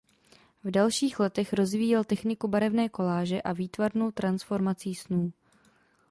V dalších letech rozvíjel techniku barevné koláže a výtvarnou transformací snů.